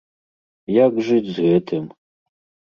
Як жыць з гэтым?